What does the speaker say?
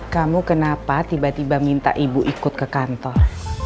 kamu kenapa tiba tiba minta ibu ikut ke kantor